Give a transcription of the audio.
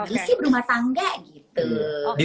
ini sih berumah tangga gitu